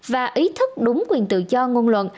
và ý thức đúng quyền tự do ngôn luận